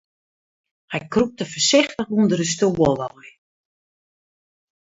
Hy krûpte foarsichtich ûnder de stoel wei.